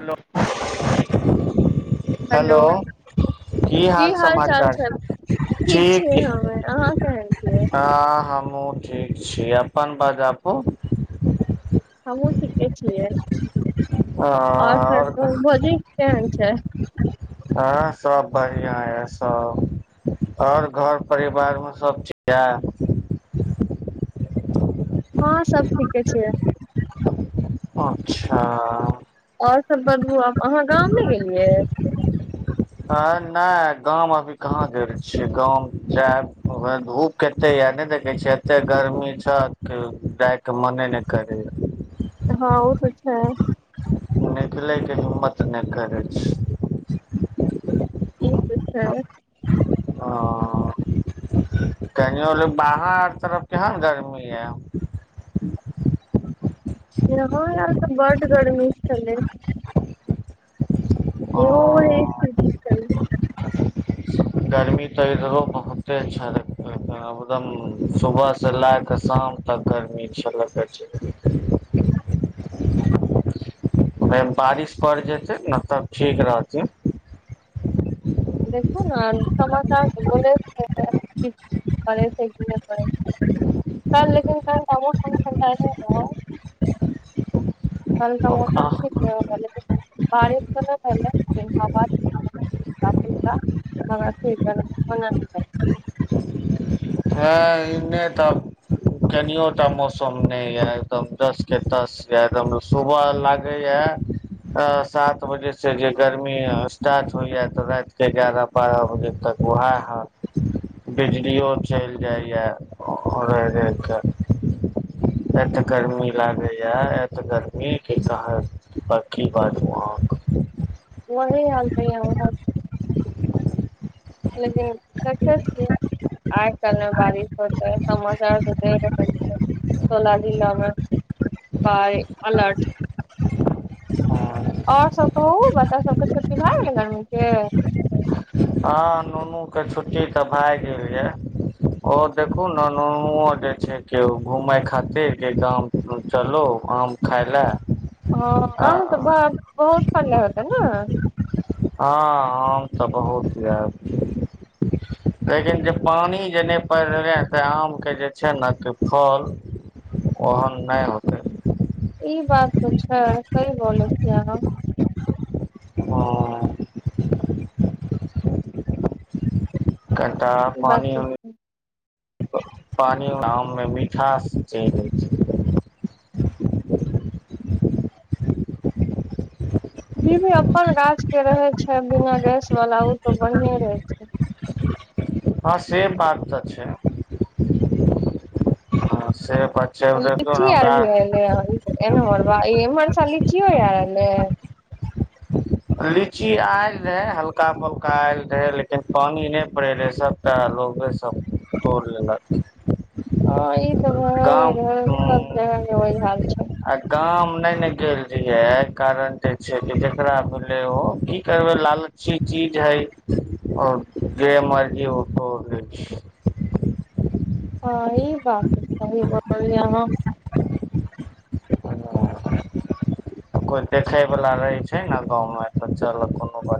Hello hello की हाल समाचार छै ठीक छियै हमे अहाँ ठीक केहन छियै हँ हम हां ठीक छी, अपन बजाबू हमहूँ ठीके छियै। आ आओर सब और कहु कहि? भौजी केहन छै हँ सब बढ़िआ य सब। आओर घर परिवारमे सभचीज आए। हँ सब ठीके छियै। अच्छा आओर सभ बदबू आब अहाँ गाम ने गेलियै? आइ नहि गाम अभी कहाँ गेल छी गाम जैब धूप केते नहि देखै छिय एते गर्मी छ जाइके मने नहि करै य। हँ उ त छैय। निकलयके हिम्मत नहि करै छैय। ई त छैय। ह कनियो लोग बाहर तरफ केहन गर्मी य। [unintelligible] यहो आर त बडड गर्मी छलै ओ इहो उहे स्थिति छलै [unintelligible] गर्मी तऽ इधरो बहुते छलै एकदम सुबह स लेय क शाम शाम तक गर्मी छलै फेन बारिश पड़ि जेतै न तब ठीक रहथिन [unintelligible] देखू समाचार बोलौत रहै अखनि परे छै की नय काइल लेकिन घंटा मौसम ठंढेलै रहै कल का मौसम हँ ठीक रहै लेकिन बारिश त नइ भेलै लेकिन हवा बिहाइर सब [unintelligible] तऽ एने तऽ कनियो टा मौसम न ये एकदम दस के तस ये एकदम सुबह लागे ये [unintelligible] सात बजे से जे गर्मी स्टार्ट होइया तऽ राात के ग्यारह बारह बजे तक वोहा हाल बिजलि यो चलि जाइए रहि रहि केऽ एते गर्मी लागे य एत गर्मी के कहव प की बाजू अहाँ के ह वही हाल तै यहा लेकिन देखए छिए आज कल मे बारिश होते है समाचार तऽ दे रहल छै सोला जिला में बाय अलर्ट अहाँक आ और सभ कहू बच्चा सभ के छुट्टी भए गेलै गर्मी के हँ नुनू के छुट्टी तऽ भए गेल यऽ और देखु ने नूनू जे छै के घूमय खातिर जे गाम चलो आम खाइ लए हँ आम तऽ ब बहुत फरले होतै ने आम तऽ बहुत जा लेकिन जे पानि जे नहि पड़ि रहलै हँ तऽ आम के जे छै ने फल ओहन नहि होतै ई बात तऽ छै सही बोलै छीय अहाँ और कनिटा ई बात पाइन तऽ उनि छै पाइन आम मे मिठास चल जा छै [unintelligible] ई भी अपन गाछ के रहै छै बिना गैसवला ओ तऽ बढ़िएँ रहै छै हँ से बात तऽ छै ह से बात छै देखियौ ने लीची आर हमरा भी अलै एमहर ची लीचीओ एलै है [unintelligible] लीची आयल रहे हल्का फुल्का आयल रहे लेकिन पाइन नहि पड़े रहे सबटा लोग ओबे सब तोड़ि लेलक हँ ई तऽ गाम रहै सब जगह ओहि हाल छै आ गाम नहि ने गेल रहिय कारण छै जेकरा भेलै ओ की करबै लालची चीज हय गेम प गेल [unintelligible] हँ ई बात सही बोललियै अहाँ कोई देखैवला रहै छै नै गांव में तऽ चलवा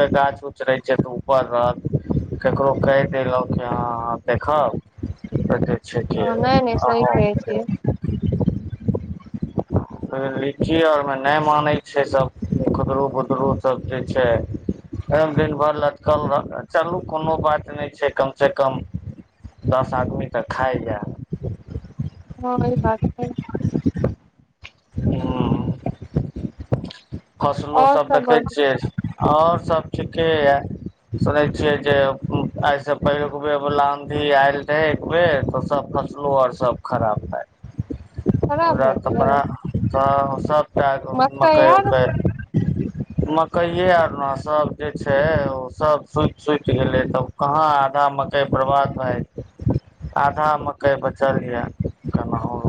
के गाछ उ रहे पर ओक ककरो कहि देलहुँ कि अहाँ अ देखब देखै छै कि हँ नहि नहि सही अहाँ कहै के छियै लीची आ और में नहि मानय छै सब खुदरू बुदरू सब जे छै सब दिन भरि लटकल रहे चलू कोनो बात नहि छै कम सँ कम दस आदमी के खाइए हँ ई बात छै हँ फसलो आओर सभ सब देखै छियै बतबू आ और सब ठीके यए सुनै छियै जे आइ सँ पहिलुक बेर बला आँधी आयल रहै एक बेर तऽ सब फसलो आर सब खराब ह खराब हमरा भए गेलै कपड़ा तऽ सबटा मकइ मकई आर उकई मकई आर ने सब जे छै उ सब सुति सुति गेले तब कहाँ आधा भऽ जैते आधा मकइ बर्बाद भए आधा मकइ बचल य केनाहु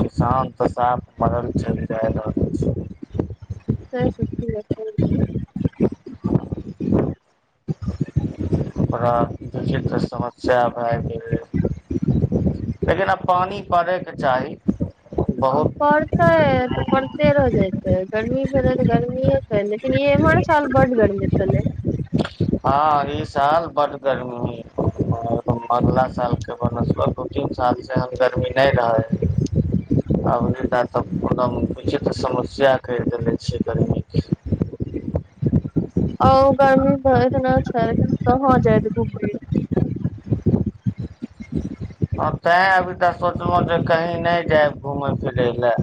किसान तऽ साफ मड़ल चलि जा रहल छै सब सब [inaudible] [inaudible] ओकरा देखी तऽ समस्या भए गेलै लेकिन आब पानि पड़यके चाही आ बहुत पड़तै त अपन त [unintelligible] [unintelligible] हजे छै गरमी फल तऽ गर्मी छै लेकिन ईम साल बड गरमी छल हँ साल बड ग [inaudible] र्मी ह अगला साल के ब [inaudible] दू तीन साल से गर्मी नहि रहब त त [inaudible] ओना बुझ तऽ समस्या कर देने छ गरीमीक आ ओ गर्मी इतना छै कि कहाँ जाइत घुमे आ तैँ अभी तऽ सोचल [inaudible] हुँ जे कहीँ नहि जायब घूमय फिरय लए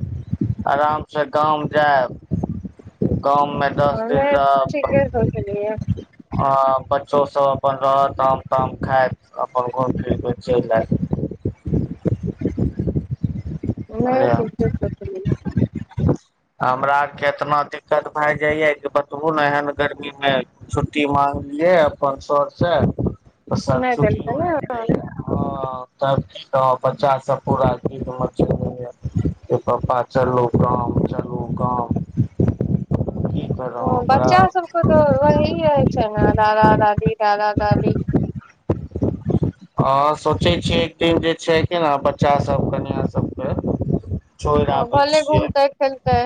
आरामसँ गाम जायब गाँव में दस दिन हमे रहब ठीके सोचलियै आ बच्चोसभ अपन रहत आाम ताम खायत अपन घूमि फिर कऽ चलि आयत [inaudible] बुझलियै ए चतत [inaudible] हमरा आर के एतना दिक्कत भय जाय ये कि बतबू ने एहन गर्मीमे छुट्टी मांग अपन स [inaudible] से नहि देलकै ने त ब [inaudible] बच्चा सब पूरा गी पप्पा चलू गाम चलू गाम की करू ओ बड़ा बच्चासभके तऽ ओही होइ छै न दादा दादी दादा दादी हँ सोचै छियै एकदिन जे छै कि ने बच्चा सभ कनिआँ सभ छोड़ि आबै भले छियै [inaudible] घूमते खेलते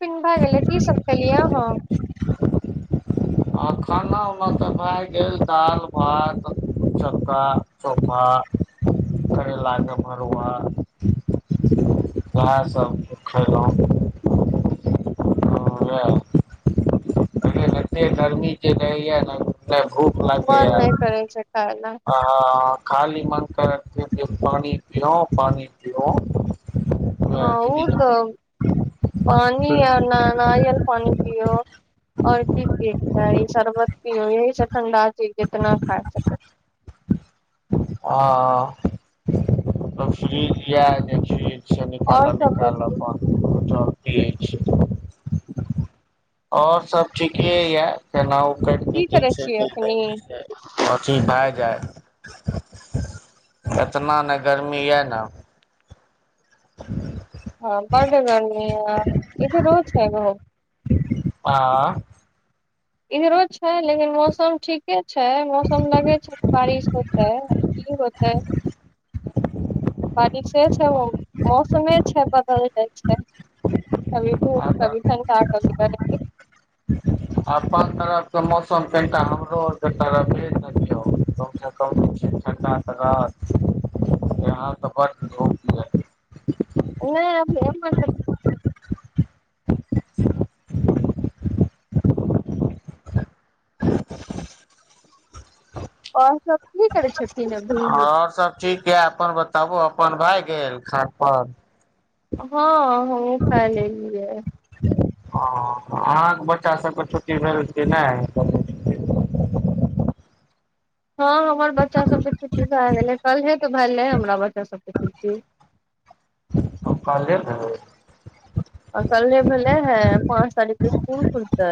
पिन भए गेलै किसब सब खलियै आहां आ खाना उना तऽ भए गेल दाल भात चक्का चोफा करैला के भरुआ उएहसभ खयलौ एते गरमी जे रहैया न नहि भूख लागैए मन नहि करै छै खाय लए आ हां खाली मन तरै छै जे पानी पिऔं पानी पिऔं हां उ तऽ पानी आ नारियल पानी पियौ आओर की पियैके चाही शरबत पीयौ अहूसँ ठण्डा चीज जितना खा सकै हँ तऽ फ्रीज लिया जे फ्रीज से और निकालऽ सब निकालऽ बतबू, अपन जल्दी अछि [inaudible] आओर सब ठीके ये केनाउ की चज करै छै छियै अखनी गर्मी आ चीज भऽ जाइ [unintelligible] एतना न गर्मी ये नऽ ह [inaudible] हँ बड्ड गर्मी ये इधरो छै बहुत इधरो छै लेकिन मौसम ठीके छै मौसम लगै छै बारिश हैतै की होताै [inaudible] बारिशे छै मौसमे छै बदल जाइ छै कभी धूप आ कभी ठंडा कभी गर्मी तरफ के मौसम कनिटा हमरो आओर के भेल न दियौ तऽ हम सब कमसँ कम ठंडा तऽ [unintelligible] यहाँ तऽ बड्ड धूप ये ह [inaudible] आओर सब की करै छथिन अभी आओर सब ठीक है अपन बताबू अपन भए गेल खान पान हँ हमहूँ खा लेली य हँ अहाँक बच्चा सभके छुट्टी भेल अछि की नहि [inaudible] हँ हमर बच्चा सबके छुट्टी भए गेलै कल्हे तऽ भेलै हमरा बच्चा सबके छुट्टी ओ काल्हे भेलै। आ कल्हे भेलै हे आ पाँच तारीख कऽ स्कुल खुलतै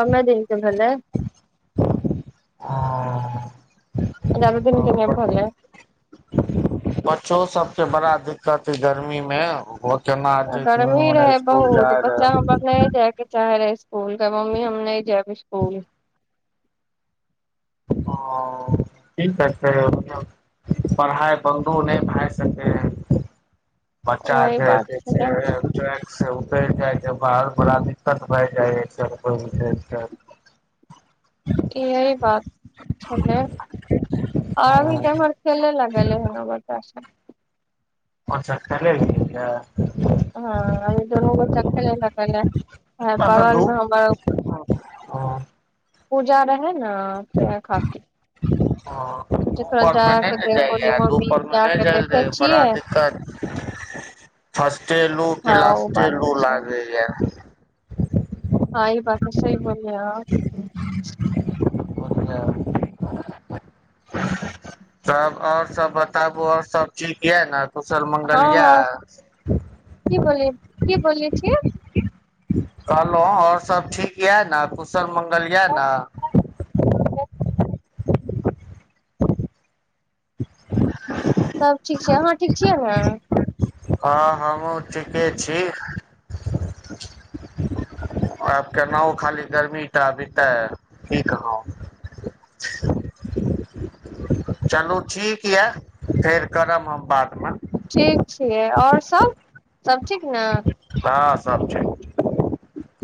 कमे दिनके भेलैय आ जादे दिन के नहि भेलै बच्चो सबके बड़ा दिक्कत अय गर्मी मे गर्मी रहै बहुत बच्चा रहे हमर नहि जाय के चाहै रहै स्कूल कहै मम्मी हम नहि जैब स्कूल ओ ठीक तऽ छै पढ़ाइ बन्दो नहि भए सकै या। बच्चा वही बात [unintelligible] छलै से उतरि जाइ छैय बाहर बड़ा दिक्कत भए जाइ की इहे बात छै ने आरू तऽ एम्हर खेलै ले गेलै हें बच्चा संगे अच्छा खेलै ले गेलैये हँ अभी दुनू बच्चा खेलै ल गेलै बगलमे हमर ओ पूजा रहै न तेहे खातिर। सोचे थोड़ा जा दुपहरमे नहि के ने देख जाइए बोली मम्मी धूपरमे जा नहि के जाइल देखे देब बड़ा छियै दिक्कत फर्स्टे लू की हँ ओ लास्टे बात तऽ लू छै लागैये। हँ ई बात तऽ सही बोललीयै अहाँ सा [inaudible] तब आओर सब बताबु आओर सब ठीक ये नऽ कुशल मंगल ये हँ हँ की बोलियै की बोलले छी कहलहुँ आओर सब ठीक यए ने कुशल मंगल यए ने [inaudible] सभ ठीक छैय अहाँ ठीक छियै ने? हँ हमहूँ ठीके छी। आब केनाहु खाली गर्मी तऽ बितई की कहूँ। चलू ठीक यऽ फेर करब हम बादमे। ठीक छियै आओर सभ सभ ठीक ने? हँ सब ठीक ठीक